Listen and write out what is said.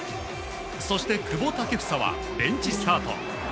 そして、久保建英はベンチスタート。